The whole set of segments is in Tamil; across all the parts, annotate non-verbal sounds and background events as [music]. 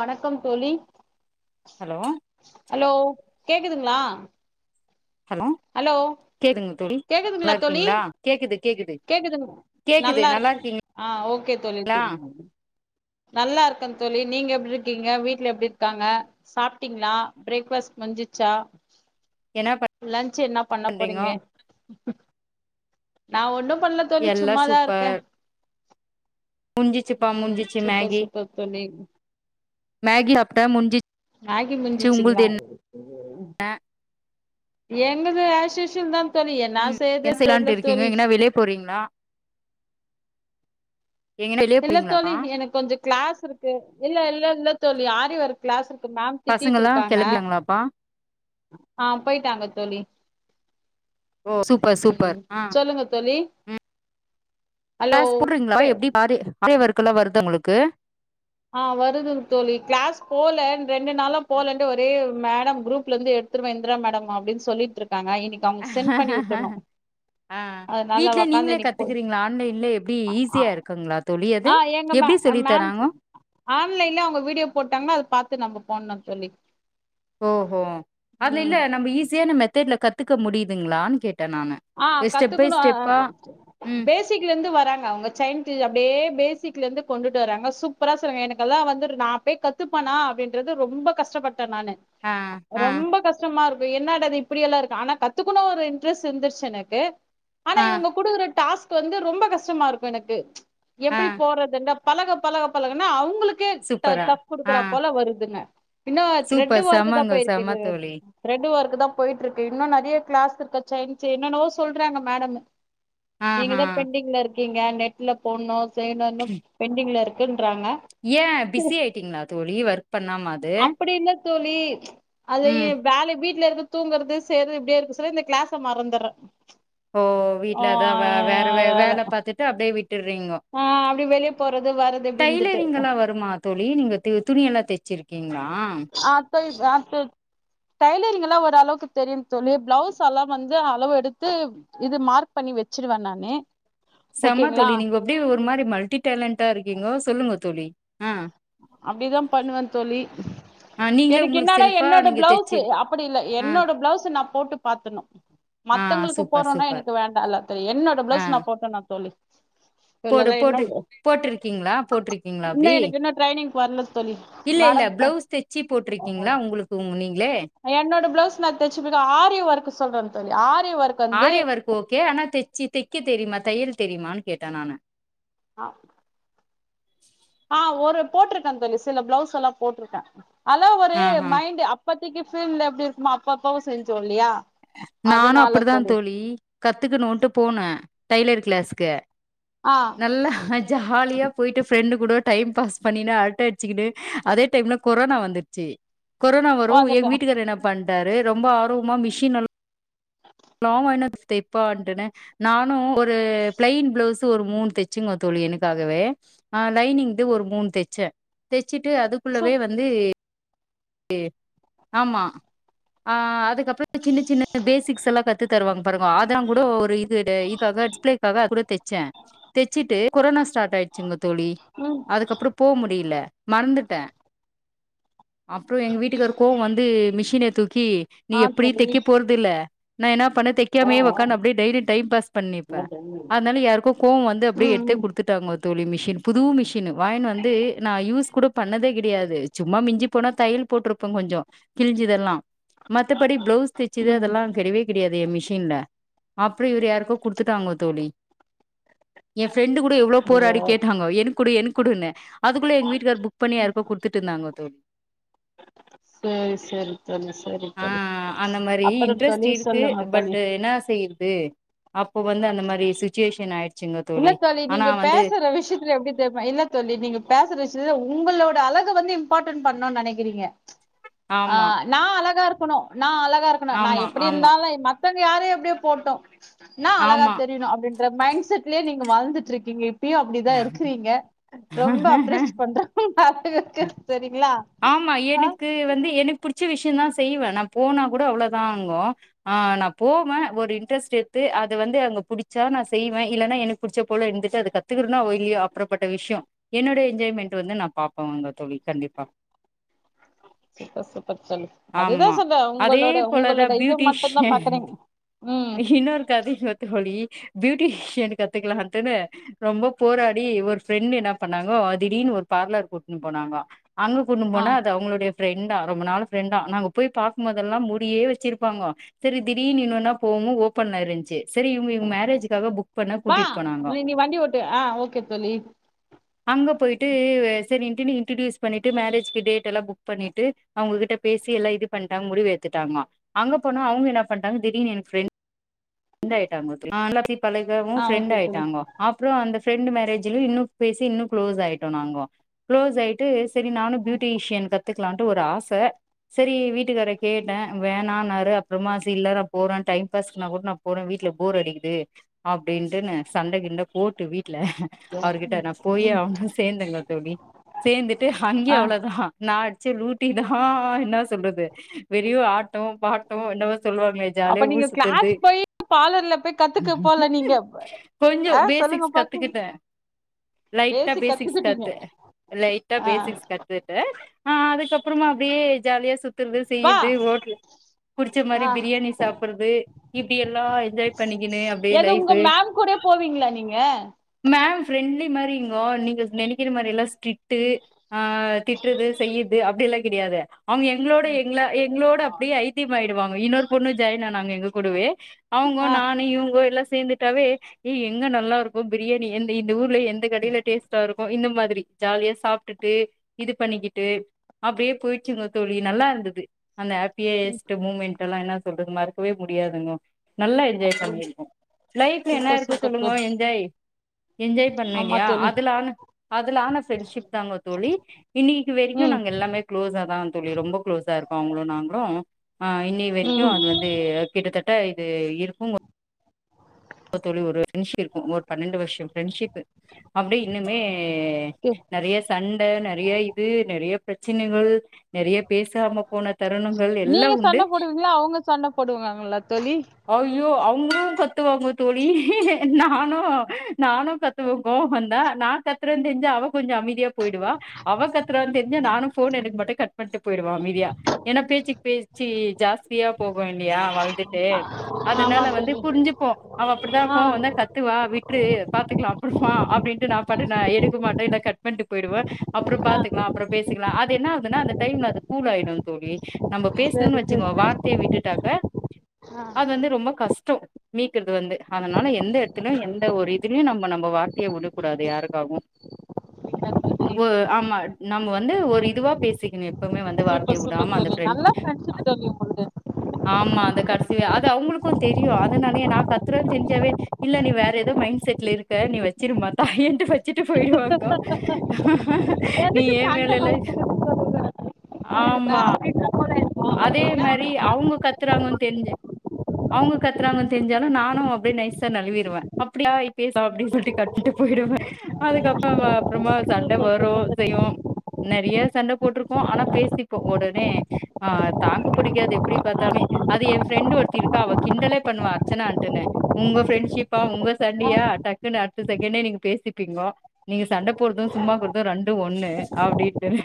வணக்கம் தோழி ஹலோ ஹலோ கேக்குதுங்ளா ஹலோ ஹலோ கேக்குதுங்க தோழி நல்லா கேக்குதுங்களா தோழி இருக்கீங்களா கேக்குது கேக்குது கேக்குதுங் கேக்குது நல்லா நல்லாருக் இருக்கீங்களா ஆ ஓகே தோழி குடுங் நல்லா இருக்கன் தோழி நீங்க எப்டி இருக்கீங்க வீட்ல எப்டி இருக்காங்க சாப்ட்டீங்களா பிரேக்ஃபஸ்ட் முட்ஞ்சிச்சா என்ன லஞ்ச் என்ன பண்ண போறீங்க பண்றீங்கோ நா ஒன்னு பண்ல தோழி எல்லா சும்மாதா இருக்கே முட்ஞ்சிச்சுப்பா ம் முட்ஞ்சிச்சு சூப்பர் மேகி சூப்பர் தோழி மேகி சாப்ட்ட மேகி முஞ்சுச்சு உங்கள்து முஞ்சிச்சுங்களா என்ன என்னது ஆஷ்யூஷுவல் தா தோழி என்னா செய்றதே தெர்ல தோழி போறீங்ளா இல்லத் தோழி எனக்கு கொஞ்ச கிளாஸ் இருக்கு இல்ல இல்ல இல்லத்தோழி ஆரி ஒர்க் கிளாஸ் இருக்கு மேம் பசங்கல்லா திட்டிட்ருக்காங்க கெளம்பிட்டாங்களாப்பா ஆ போயிட்டாங்க தோழி ஓ சூப்பர் ம் சூப்பர் ம் ஆ சொல்லுங்க தோழி ஹலோ க்ளாஸ் போறீங்ளா பே எப்டி ஆரி [inaudible] ஓர்க்கெல்லா வருது உங்களுக்கு ஆ வருதுங் தோழி கிளாஸ் போல ரெண்டு நாளா போலன்ட்டு ஒரே மேடம் குரூப்லருந்து எடு த்திருவே இந்திரா மேடம் அப்டின் சொல்லிட்ருக்காங்க இன்னைக்கு அவ்ங்களுக்கு சென்ட் பண்ணி வுட்டுற்ணு ஆ வீட்லே நீங்ளே கத்துக்றீங்ளா ஆன்லைன்லே எப்டி ஆ ஈஸியா இருக்குங்ளா தோழி அது எப்டி சொல்லி தராங்க ஆன்லைன்லே அவ்ங்க வீடியோ போட்டாங்கனா அத பாத்து நம்ப போட்ணு தோழி ஓஹோ அதுல இல்ல ம் நம்ப ஈஸியான மெத்தட்ல கத்துக்க முடியுதுங்ளான்னு கேட்டே நானு ஆ ஸ்டெப் பை கத்துக்கணு ஸ்டெப்பா ம் பேஸ் சிக்ல இருந்து வராங்க அவ்ங்க சைன்டு அப்டியே பேசிக்ல இருந்து கொண்டுட்டு வராங்க சூப்பர சொல்றாங்க எனக்கெல்லா வந்துட்ரு நா போய் கத்துப்பனா அப்டின்றது ரொம்ப கஷ்டப்பட்டே நானு‌ ஆ அ ரொம்ப கஷ்டமா இருக்கு என்னாடா அது இப்டியெல்லா இருக்கு ஆனா கத்துக்கணு ஒரு இன்ட்ரெஸ்ட் இருந்துருச்சு எனக்கு ஆனா ஆ இவுங்க குடுக்குற டாஸ்க் வந்து ரொம்ப கஷ்டமா இருக்கு எனக்கு ஆ எப்டி போட்றதுன்தா பழக பழக பழகுனா அவ்ங்களுக்கே ட சூப்பரா டஃப் ஆ குடுக்குற போல வருதுங்க இன்னு த்ரெட்டு் சூப்பர் ஒர்க்கு தா செமங்க செம போயிருக்குது தோழி த்ரெட்டு ஒர்க்கு தா போயிட்ருக்கு இன்னு நெறைய கிளாஸ் இருக்கா செயின் செயினா என்னன்னவோ சொல்றாங்க மேடமு நீங்க ஆஹா தா பெண்டிங்ல இருக்கீங்க நெட்ல போட்ணு செய்ணுன்னு பெண்டிங்ல இருக் குன்றாங்க ஏ பிஸி ஆயிட்டிங்ளா தோழி ஒர்க் பண்ணாம அது அப்டி இல்ல தோழி அதயே ம் வேல வீட்லருந்து தூங்கறது செய்றது இப்டியே இருக்க சொல்லி இந்த கிளாஸ மறந்து துற்றே ஓ வீட்ல அதா வ வேற வே வேல பாத்துட்டு அப்டியே விட்டுர்றீங்கோ ஆ அப்டியே வெளிய போறது வர்றது இப்டி இருந்துட்டு டைலரிங்கெல்லா வருமா தோழி நீங்க து துணியெல்லா தெச்சிருக்கீங்ளா ஆப்பிள் கிராஃப்ட்டு டைலரிங்கெல்லா ஓரளவுக்கு தெரியும் தோழி பிளவ்ஸ் எல்லா வந்து அளவெடுத்து இது மார்க் பண்ணி வெச்சுருவே நானு செம்ம ஓகேங்களா தோழி நீங்க அப்டியே ஒரு மாரி மல்ட்டி டேலண்ட்டா இருக்கீங்க சொல்லுங்க தோழி ஆ அப்டிதா பண்ணுவேன் தோழி ஆ நீங்களே எனக்கு உங்களுக்கு இன்னானா செல்ஃபா என்னோட நீங்க பிளவ்ஸு அ தெச்சிருக்கி அப்டி இல்ல ஆ என்னோட பிளவ்ஸு நா போட்டுப் பாத்துர்ணு ஆ மத்தவ்ங்களுக்கு சூப்பர் போட்றேன்னா சூப்பர் எனக்கு வேண்டால்ல தோழி என்னோட ஆ பிளவ்ஸ் நா போட்டேன்னா தோழி போடு இவ்ளோதா போட்டு என்னோட போட்ருக்கீங்ளா போட்ருக்கீங்ளா இன்னு அப்டி எனக்கு இன்னு ட்ரைனிங் வரல தோழி இல்ல இல்ல மேடம் பிளவ்ஸ் தெச்சு போட்ருக்கீங்ளா உங்களுக்கு உங் நீங்ளே அ என்னோட பிளவ்ஸ் நா தெச்சுக்குவே ஆரி ஒர்க்கு சொல்றே தோழி ஆரி ஒர்க் வந்து ஆரி வொர்க் ஓகே ஆனா தெச்சு தெக்க தெரிமா தெய்யல் தெரிமான்னு கேட்டே நானு ஆ ஆ ஒரு போட்டிருக்கேன் தோழி சில பிளவுஸ் எல்லா போட்டிருக்கேன் அதெல்லா ஒரு ஆ ஆ மைண்ட் அ ப்பத்திக்கு சூழ்நில எப்டி இருக்குமோ அப்பப்பவு செஞ்சோ இல்லையா நானு அப்டிதா தோழி கத்துக்கணுன்ட்டு போனே டெய்லர் கிளாஸ்க்கு ஆ நல்லா ஹ ஜாலியா போயிட்டு ஃப்ரெண்டு கூடோ டைம் பாஸ் பண்ணின்னு அரட்ட அடிச்சுகின்னு அதே டைம்ல கொரோனா வந்து ச்சு கொரோனா வருவு வந்துட்டே எங் வீட்டுக்காரு என்ன பண்ணிட்டாரு ரொம்ப ஆர்வமா மிஷின் ல்லா வாங்கின்னு தெப்பாண்ட்டு நானு ஒரு பளெய்ன் ப்ளவுஸ்சு ஒரு மூணு தெச்சங் தோழி எனக்காகவே ஆ லைனிங் இது ஒரு மூண் தெச்ச தெச்சுட்டு அதுக்குள்ளவே சுப் வந்து ட்டு ஆமா ஆ அதுக்கப்றோ சின்ன சின்ன பேசிக்ஸ் எல்லா கத்து தருவாங்க பாருங்கோ அதங் கூட ஒரு இது இதுக்காக டிஸ்பிளேக்காக அது கூட தெச்சேன் தெச்சிட்டு கொரோனா ஸ்டார்ட் ஆயிடுச்சுங்க தோழி ம் அதுக்கப்றோ போ முடில மறந்துட்ட அப்றோம் எங்க வீட்டுக்காருக்கு கோவோ வந்து மிஷின தூக்கி நீ ஆ எப்டியு தோழி தெக்க போற தில்ல நா என்ன பண்ண தெ க்காமயே ஒக்கான்னு அப்டியே டெய்லி டைம் பாஸ் பண்ணிப்பே ம் அதனால யாருக்கோ கோவோ வந்து அப்டியே எடுத்தே ம் குடுத்துட்டாங்கோ தோழி மிஷின் புது மிஷினு வாங்கினு வந்து நா யூஸ் கூட பண்ணதே கெடையாது சும்மா மிஞ்சி போனா தைய்யல் போட்டிருப்போ கொஞ்சோ கிழிஞ்சதெல்லா மத்தபடி பிளவுஸ் தெச்சது ம் அதெல்லா கெடையவே கெடையாது என் மிஷின்ல அப்பறோ இவர் யாருக்கோ குடுத்துட்டாங்கோ தோழி என் ஃப்ரெண்டு் கூட எவ்ளோ ஐயோ போராடி கேட்டாங்கோ எனக் குடு எனக் குடுன்னு அது குள்ள எங்க வீட்டு்காரு புக் பண்ணி யாருக்கோ குடுத்து ட்டுந்தாங்க தோழி சேரி சேரி தோழி சேரி ஆ தோழி அப்றோ தோழி சொல்லுங்க தோழி என்னா செய்யறது அப்போ வந்து அந்த மாரி சுச்சுவேஷன் ஆயிடுச்சுங்க இல்லத் தோழி ஆனா நீங்க வந்து பேசற விஷ்யத்துல எப்டி தெரிமா என்ன தோழி நீங்க பேசற விசயத்துல உங்களோட அழக வந்து இம்பார்ட்டன் பண்ணுனு நெனைக்கறீங்க ஆ ஆமா நா அழகா இருக்கணு நா அழகா இருக்கணு ந ஆமா எப்டி இருந்தாலு ம த்தவங்க யாரையு எப்டியோ போட்டு நா அழகா ஆமா தெரியணு அப்டின்ற மைண்ட் செட்லயே நீங்க வாழ்ந்துட்டு இருக்கீங்க இப்பயு அப்டிதா இருக்கறீங்க ரொம்ப அப்ரிஷிட் ஆமா பண்ற [unintelligible] சரிங்ளா ஆமா எனக்கு வந்து எனக்கு புடிச்ச விஷ்யந்தா செய்வேன் நா போனா கூட அவ்ளோதாங்கு ஆ நா போவேன் ஒரு இன்ட்ரெஸ்ட் எடுத்து அது வந்து அங்க புடிச்சா நா செய்வேன் இல்லனா என புடிச்ச போல இருந்துட்டு அது கத்துருக்கணோ இல்லயோ அப்பறப்பட்ட விஷ்யோ என்னோடைய என்ஜாய்மெண்ட் வந்து நா பாப்பேன் அவுங்க தோழி கண்டிப்பா சே பச பச்சனு ஆமா அதுதான் சொல்றேன் அதே உங்களோட போலதா உங்களோட இது மட்டுந்தான் பியூட்டிஷியன் பாக்கறீங்க ம் இன்னொரு கதைங்கோ தோழி பியூட்டிஷியன் கத்துக்கலாந்தான ரொம்ப போராடி ஒரு ஃப்ரெண்ட் என்ன பண்ணாங்கோ திடீன்னு ஒரு பார்லர் கூட்ன்னு போனாங்கோ அங்க கூட்டுனு போனா ஆ அது அவுங்களுடய ஃப்ரெண்டா ரொம்ப நாள் ஃப்ரெண்டா நாங்க போய் பாக்கும்போதெல்லா மூடியே வெச்சிருப்பாங்கோ செரி திடீர்னு இன்னொனா போவும் ஓப்பன் ஆயிருந்ச்சு செரி இவுங்க இவுங்க மேரேஜக்காக புக் பண்ணா வா கூட்டிட்டு போனாங்கோ நீ நீ வண்டி ஓட்டு ஆ ஓகே தோழி அங்க போயிட்டு சரின்ட்டு இன்ட்டியூஸ் பண்ணி ட்டு மேரேஜ்க்கு டேட்டெல்லா புக் பண்ணிட்டு அவுங்ககிட்ட பேசி எல்லா இது பண்ட்டாங்க முடிவு எத்துட்டாங்க அங்க போனா அவுங்க என்ன பண்டாங்க திடீனு என் ஃப்ரெண் ட்டாயிட்டாங்கோ நா எல்லா அப்டி பழகவு ஆ ஃப்ரெண்ட்டு ஓகே தோழி ஆயிட்டாங்கோ அப்புறோ அந்த ஃப்ரெண்டு் மேரேஜ்லும் இன்னு பேசி இன்னு க்ளோஸ் ஆயிட்டங்க நாங்கோ க்ளோஸ் ஆயிட்டு சரி நானு பியூட்டீஷியன் கத்துக்கலான்ட்டு ஒரு ஆச சரி வீட்டுக்கார கேட்ட வேணான்னாரு அப்புறமா சி இல்ல நா போற டைம் பாஸ்கனா கூட நா போற வீட்ல போர் அடிக்குது அப்டின்ட்டுனு சண்ட கிண்ட போட் ட்ரு வீட்ல அவருகிட்ட நா போயே ஆவனுன் சேர்ந்தேங்க தோழி சேந்துட்டு அங்கேயே ஆ அவ்ளதா நா அடிச்ச லூட்டி தா என்ன சொல்றது வெறியு ஆட்டோ பாட்டு என்னவோ சொல்லுவா ங்கல அப்ப ஜாலியா நீங்க ஊர் கிளாஸ் சுத்துறது போய் பார்லர்ல போய் கத்துக்க போல நீங்க கொஞ்ச ஆ சொல்லுங்க பேசிக்ஸ் பாக்கு கத்துக்கிட்ட லைட்டா பேசி பேசிக்ஸ் கத்துக்கிட்டீங்க கத்து லைட்டா ஆ பேசிக்ஸ் கத்து ட்டு ஆ அதுக்கப்புறமா அப்டியே ஜாலியா சுத் துறது வா செய்யறது ஹோட்டல் புடிச்ச மாரி ஆ பிரியாணி சாப்புறது இப்டி எல்லா என்ஜாய் பண்ணிக்கனு அப்டியே எது உங்க லைஃபு மேம் கூட போவீங்களா நீங்க மேம் ஃப்ரெண்ட்லி மாரிங்கோ நீங்க நெனைக்கிற மாரி எல்லா ஸ்ட்ரிட்டு ஆ திட்டுறது செய்றது அப்டி எல்லா கெடையாது அவுங்க எங்களோட எங்கள எங்களோட அப்டியே ஐத்தியம் ஆயிடுவாங்க இன்னொரு பொண்ணு ஜாயின் ஆனாங்க எங்க கூடவே அவங்கோ ஆ நானு இவங்கோ எல்லா சேந்துட்டாவே ஏ எங்க நல்லா இருக்கு பிரியாணி எந்த இந்த ஊர்லே இந்த கடையில டேஸ்ட்டா இருக்கும் இந்த மாதிரி ஜாலியா சாப்ட்டு ட்டு இது பண்ணிக்கிட்டு அப்டியே போயிச்சுங்க தோழி நல்லா இருந்தது அந்த ஹாப் ம் பியஸ்ட்டு மூமெண்ட் எல்லா என்ன சொல்றது மறக்கவே முடியாதுங்கோ நல்லா என்ஜாய் அப்படி பண்ணியிருக்கோ லைஃப்ல என்ன சூப்பர் இருக்கு சூப்பர் சொல்லுங்கோ தோழி என்ஜாய் என்ஜாய் பண்ண ஆமா இல்லையா தோழி அதுல ஆன அதுல ஆன ஃப்ரெண்ட்ஷிப் தாங்க தோழி இன்னிக்கு வரைக்கு ம் நாங்க எல்லாமே குளோஸா தா தோழி ரொம்ப குளோஸா இருக்கோ அவுங்களு நாங்களு ஆ இன்னை வரைக்கு ம் அது வந்து கிட்டத்தட்ட இது இருக்குங்கோ தோழி ஒரு ஃப்ரெண்ட்ஷி இருக்கும ஒரு பன்னெண்டு வருஷ ஃப்ரெண்ட்ஷிப்பு அப்டியே இன்னுமே ஓகே நெறைய சண்ட நெறைய இது நெறைய பிரச்சனைகள் நெறைய பேசாம போன தருணங்கள் எல்லா நீங்க உண்டு சண்ட போடுவீங்களா அவங்க சண்ட போடுவாங்களா தோழி ஐயோ அவங்களு கத்துவாங்க தோழி நானு நானு கத்துவ கோவ வந்தா நா கத் துறன் தெரி்ஞ்சு அவ கொஞ்ச அமைதியா போயிடுவா அவ கத்துறான் தெரிஞ்சு நானு ஃபோன் எனக்கு மாட்ட கட் பண்ட்டு போயிடுவா அமைதியா ஏனா பேச்சுக்கு பேச்சி ஜாஸ் யா போகு இல்லையா வளந்துட்டே ஆமா அதனால வந்து தோழி புரிஞ்சுப்போ அவ அப்டிதா ஆ கோவ வந்தா கத்துவா விட்ரு பாத்துக்கலா அப்புறமா அப்டின்ட்டு நா பாட்டுன்னு எடுக்க மாட்ட இல்ல கட் பண்ணிட்டு போயிடுவ அப்புற ஆ பாத்துக்கலா அப்புற பேசிக்கலா அது என்ன ஆகுதுன்னா அந்த டைம்ல அது கூல் ஆயிடு தோழி நம்ப சரி பேசணோன்னு சரி வச்சுங்கோ வார்த்தைய விட்டுட்டாக்க ஆ அது வந்து ரொம்ப கஷ்டோ இருக்கிறது வந்து அதனால எந்த எடத்துலயு எந்த ஒரு இதுலயு நம்போ நம்போ வார்த்தைய உடக்கூடாது யாருக்காகவு ஓ ஆமா நம்ம வந்து ஆ ஒரு இதுவா பேசிக்கணு எப்போமே வந்து வார்த் சூப்பர் தைய சூப்பர் உடாம அந்த தோழி ஃப்ரெண்ட் நல்ல ஃப்ரெண்ட்ஷிப் தோழி உங்களுது ஆமா அந்த கடைசி அது அவுங்களுக்கு தெரியு அதனாலேயே நா கத்துறன்னு தெரிஞ்சாவே இல்ல நீ வேற ஏதோ மைண்ட் செட்ல இருக்க நீ வச்சிருமா தாயேன்ட்டு வச் சிட்டு போயிருவாங்கோ நீ எதுக்கு ஏ சண்டை மேலலா வளர்த்துக்கிட்டு சொல்லுங்க புரியுதா ஆமா அப்படின்னா போல இருக்கும் அதே இல்லைங்களா மாரி அவுங்க கத்துறாங்கோன்னு தெரிஞ்சா அவுங்க கத்துறாங்கோன்னு தெரிஞ்சாலு நானு அப்டியே நைசா நழுவிடுவே அப்டியா பேச அப்டி சொல்ட்டு கட்டு போயிடுவ அதுக்கப்புற அப்புறமா சண்ட வரு செய்வோ நறைய சண்ட போட்டிருக்கோ ஆனா பேசிப்போ ஒடனே ஆ தாங்கு புடிக்காது எப்படி பாத்தாமே அது என் ப்ரெண்ட்டு ஒருத்தி இருக்கா அவ கிண்டலே பண்ணுவா அர்ச்சனாட்டுனு உங்க ஃப்ரெண்ட்ஷிப்பா உங்க சண்டியா டக்குன்னு அடுத்த செகண்டே நீங்க பேசிப்பீங்கோ நீங்க சண்ட போடுறது சும்மாக்குறது ரெண்டு ஒண்ணு அப்டின்ட்டுனு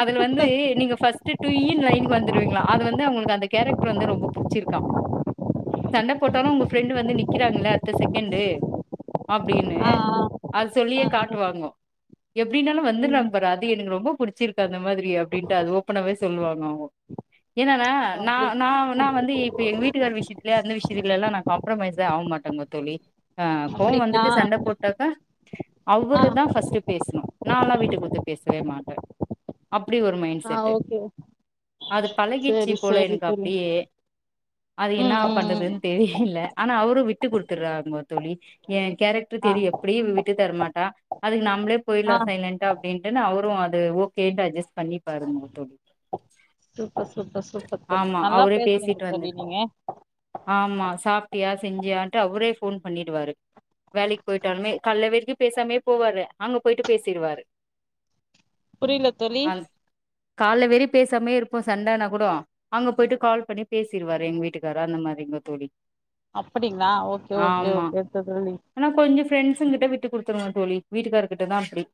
அதுல வந்து நீங்க ஃபர்ஸ்ட்டு டூ இன் லைனுக்கு வந்துருவீங்களா அது வந்து அவுளுக்கு அந்த கேரக்டர் வந்து ரொம்ப புடிச்சிருக்கா சண்ட போட்டாலு உங்க ஃப்ரெண்டு் வந்து நிக்கிறாங்கள அடுத்த செகண்டு அப்டின்னு ஆ அது ஆ சொல்லியே காட்டுவாங்கோ எப்டினாலு ம் வந்துடுராங்கா பாரு அது எனக்கு ரொம்ப புடிச்சிருக்கு அந்த மாதிரி அப்டின்ட்டு அது ஓப்பனாவே சொல்லுவாங்க அவங்கோ என்னன்னா ந அப்படி நா நா வந்து இப்ப எங்க வீட்டுக்கார் விஷயத்துலயே அந்த விஷயத்துல எல்லா நா காம்ப்ரமைஸா ஆவமாட்டேங்க தோழி அ கோவோ அப்படிங்களா வந்துட்டு சண்ட போட்டாக்கா ஆ அவருதா ஃபர்ஸ்ட்டு பேசணு நாலா விட்டு குடுத்து பேசவே மாட்ட அப்டி ஒரு மைண்ட்ஸ் ஆ ஓகே அது பழகிடுச்சு சரி போல சரி எனக்கு தோழி அப்டியே அது என்னா ம் ம் ம் பண்றதுன் தெரியல ஆனா அவரு விட்டு குடுத்துடுறாங்க தோழி ஏ கேரக் ட்ரு ஆ தெரியு எப்டியு இவ விட்டு தரமாட்டா அதுக்கு நம்ளே ஆ போயிர்லா சைலன்ண்ட்டா அப்டின்ட்டுனு அவரு அது ஓகேன்ட்டு அஜ்ஜஸ்ட் பண்ணி பாருங்க தோழி சூப்பர் சூப்பர் சூப்பர் தோழி ஆமா நல்லா அவரே பேசுறீங்க பேசிட்டு வந்து தோழி நீங்க ஆமா சாப்ட்டியா செஞ்சியான்ட்டு அவுரே ஃபோன் பண்ணிடுவாரு வேலைக் போயிட்டாலுமே கால்ல வெரைக்கு பேசாமே போவாரு அங்க போயிட்டு பேசிருவாரு புரியல தோழி கால்ல வெறி பேசாமே இருப்போ சண்டனா கூடு அங்க போயிட்டு கால் பண்ணி பேசிருவாரு எங்க வீட்டுக்காரு அந்த மாரிங்க தோழி அப்படிங்ளா ஓகே ஓகே ஆமா ஓகே தோ தோழி ஆனா கொஞ்ச ஃப்ரெண்ட்ஸ்ங்கிட்ட விட்டு குடுத்துரு தோழி வீட்டுக்காரு கிட்ட தா அப்படி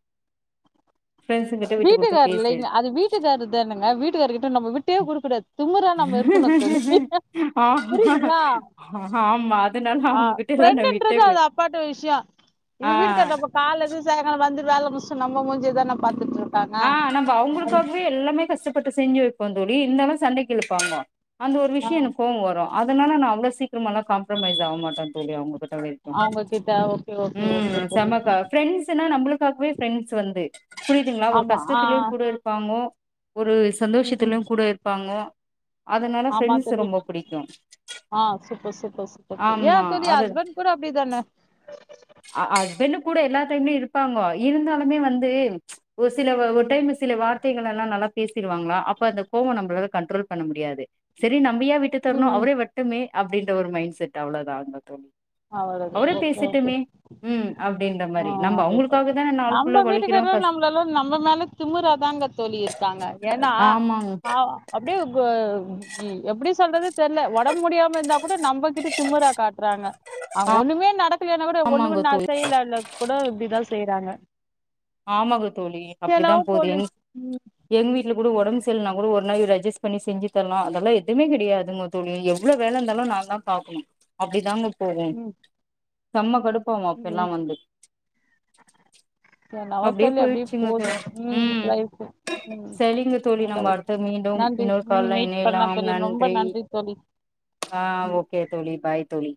ஃப்ரெண்ட்ஸ்ங் வீட்டுக்காரு இல்லைங்க அது வீட்டுக்காரு தானுங்க வீட்டுக்கார கிட்ட நம்ம விட் டே குடிக்க கூடாது திமிரா நம்ப இருக்கணும் தோழி ஆமா புரியுதுங்களா ஆமா அதனால ஆ அவங்ககிட்ட எல்லா நா ஃப்ரெண்ட்டு விட்டே என்றது குடு அது அப்பாட்ட விஷயோ இது ஆ வீட்டுக்கார் நமக்கு கால்ல இருந்து சாய்ங்கால வந்து வேல முடிசுட்டு வந்து நம்ப மூஞ்சியதா பாத்துட்டு இருக் ஆ நம்ம அவுங்களுக்காகவே எல்லாமே கஷ்டப்பட்டு செஞ்சு வைப்போம் தோழி இருதாலும் சண்டைக்குழுப்பாங்க அந்த ஒரு ஆ விஷயோ எனக்கு கோவோ வரு அதனால நா அவ்ளோ சீக்கிரோ எல்லா காம்ப்ரமைஸ் ஆவ மாட்ட தோழி அவுங்ககிட்டவே அவுங்க கிட்ட ஓகே ஓகே ஓகே தோழி செமக்கா ஃப்ரெண்ட்ஸ்னா நம்புளுக்காகவே ஃப்ரெண்ட்ஸ் வந்து புரியுதுங்ளா ஒரு ஆமா ஆ கஷ்டத்துலேயு கூட கூட இருப்பாங்கோ ஒரு ம் சந்தோஷத்துலையு கூட இருப்பாங்க ஆமா தோழி ஆ சூப்பர் சூப்பர் சூப்பர் ஏ ஆமா தோழி அது ஹஸ்பண்ட் கூட அப்டிதான அ ஹஸ்பண்ட்டு கூட எல்லா டைமே இருப்பாங்கோ இருந்தாலுமே வந்து ஒரு சில வ ஒரு டைம் சில வார்த்தைகளெல்லா நல்லா பேசிருவாங்ளா அப்ப அந்த கோவ நம்பளால கண்ட்ரோல் பண்ண முடியாது சரி நம்ப ஏ விட்டு தரணு ம் அவர வர்ட்டுமே அப்டின்ற ஒரு மைண்ட் செட்டு அவ்ளோதான்ங்க தோழி அவ்வளோதா அவரே ஓகே ஓகே பேசட்டுமே ம் அப்டின்ற ஹ மாரி நம்ம அ அவங்களுக்காக தான நாள் நம்ப ஃபுல்லா ஒழைக்கிறோ வீட்டுக்கார கஷ் நம்ளால்லா நம்ப மேல திமுரா தாங்க தோழி இருக்காங்க ஏன்னா ஆமாங்க ஆ அப்டே எப்டி சொல்றது தெர்ல ஒடம்பு முடியாம இந்தா கூட நம்பகிட்ட திமுரா காட் க்றாங்க அங்க ஆ ஒன்னுமே நடக்கலன்னா கூட ஆமாங்க ஒன்னுஒன்னா தோழி செய்யல இல்ல கூட இப்டிதா செய்றாங்க ஆமாங்க தோழி என்னவோ அப்டிதாபோது போது எங் ம் எங் வீட்ல கூட ஒடம்பு சல்னா கூட ஒரு நாள் இவர் அஜ்ஜஸ்ட் பண்ணி செஞ்சு தர்லா அதெல்லா எதுமே கெடையாது தோழி எவ்ளோ வேலந்தாலு நா தா பாக்கணு அப்டி தாங்க தோழி ம் செம்ம கடுப்பாவு அப்பெல்லா ம் வந்து என்னவோ அப்டியே தோழி போயிட்ச்சுங்க போது தோழி ம் லைஃப் ம் செரிங்க தோழி நல்ல நம்ப அடு விஷயம் மீண்டும் நன்றி இன்னொரு ம் கால்ல மீட் பண்ணலாம் இணையலாம் தோழி ரொம்ப நன்றி தோழி ஆஹ் ஓகே தோழி பாய் தோழி